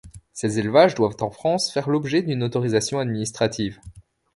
Ces élevages doivent en France faire l'objet d'une autorisation administrative.